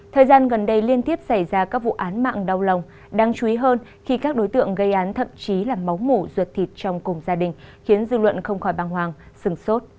thời gian gần đây liên tiếp xảy ra các vụ án mạng đau lòng đáng chú ý hơn khi các đối tượng gây án thậm chí là máu mủ ruột thịt trong cùng gia đình khiến dư luận không khỏi băng hoàng sừng sốt